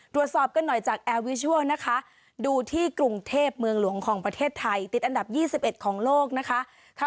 ตรวจสอบกันหน่อยจากแอร์วิชัลนะคะดูที่กรุงเทพเมืองหลวงของประเทศไทยติดอันดับ๒๑ของโลกนะคะ